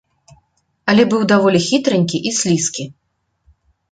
Але быў даволі хітранькі і слізкі.